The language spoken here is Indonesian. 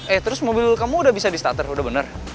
eh terus mobil kamu udah bisa di starter udah bener